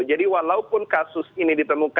jadi walaupun kasus ini ditemukan